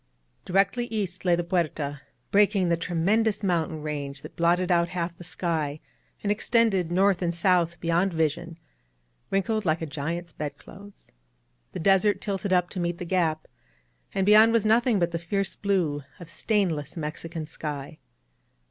Directly east lay the Puerta, breaking the tremen dous mountain range that blotted out half the sky and extended north and south beyond vision, wrinkled like a giant's bed clothes. The desert tilted up to meet the gap, and beyond was nothing but the fierce blue of stainless Mexican sky.